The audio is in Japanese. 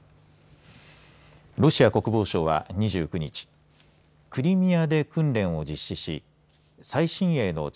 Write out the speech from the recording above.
ロシア国防省は、２９日クリミアで訓練を実施し最新鋭の地